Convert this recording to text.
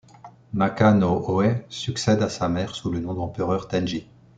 Naka no Ōe succède à sa mère sous le nom d'empereur Tenji.